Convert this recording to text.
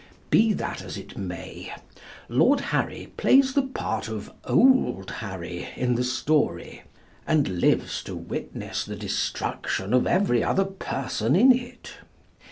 Be that as it may, Lord Harry plays the part of Old Harry in the story, and lives to witness the destruction of every other person in it.